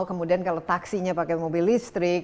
kemudian kalau taksinya pakai mobil listrik